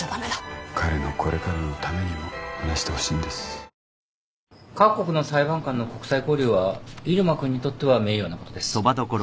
東京海上日動各国の裁判官の国際交流は入間君にとっては名誉なことです。